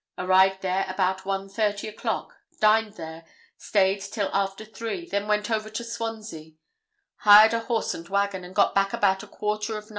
Arrived there about 1:30 o'clock; dined there, stayed till after 3, then went over to Swansea; hired a horse and wagon, and got back about a quarter of 9.